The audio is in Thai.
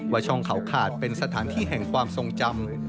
ช่องเขาขาดเป็นสถานที่แห่งความทรงจำ